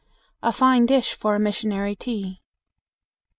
(A fine dish for a missionary tea.)